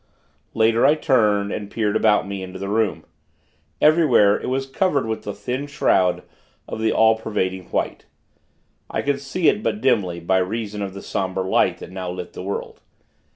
Later, I turned, and peered about me, into the room. Everywhere, it was covered with a thin shroud of the all pervading white. I could see it but dimly, by reason of the somber light that now lit the world.